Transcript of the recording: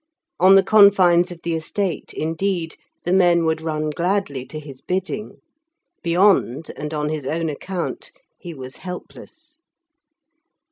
On the confines of the estate, indeed, the men would run gladly to do his bidding. Beyond, and on his own account, he was helpless.